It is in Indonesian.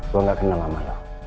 gue gak kenal mama lu